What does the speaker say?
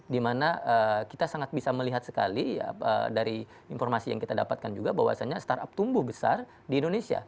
dimana kita sangat bisa melihat sekali dari informasi yang kita dapatkan juga bahwasannya startup tumbuh besar di indonesia